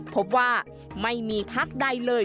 พบว่าไม่มีพักใดเลย